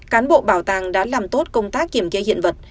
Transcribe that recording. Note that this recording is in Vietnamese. cán bộ bảo tàng đã làm tốt công tác kiểm kê hiện vật